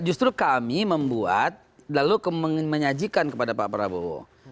justru kami membuat lalu menyajikan kepada pak prabowo